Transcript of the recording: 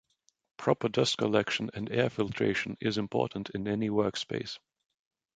Proper dust collection and air filtration is important in any work space.